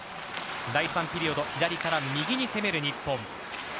第３ピリオド左から右に攻める日本。